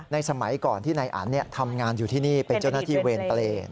สมัยก่อนที่นายอันทำงานอยู่ที่นี่เป็นเจ้าหน้าที่เวรเปรย์